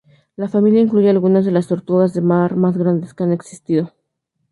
La familia incluye algunas de las tortugas de mar más grandes que han existido.